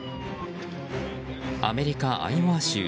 アメリカ・アイオワ州。